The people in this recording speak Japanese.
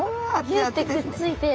ギュッてくっついてる。